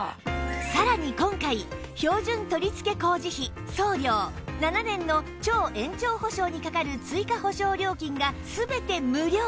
さらに今回標準取付工事費送料７年の超延長保証にかかる追加保証料金が全て無料